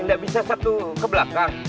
tidak bisa satu ke belakang